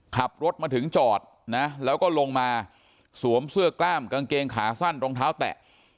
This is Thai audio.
ขับรถมาถึงจอดนะแล้วก็ลงมาสวมเสื้อกล้ามกางเกงขาสั้นรองเท้าแตะ